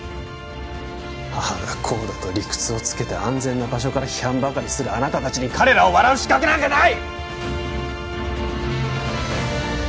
ああだこうだと理屈をつけて安全な場所から批判ばかりするあなた達に彼らを笑う資格なんかない！